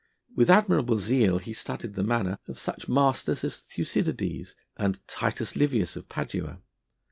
With admirable zeal he studied the manner of such masters as Thucydides and Titus Livius of Padua.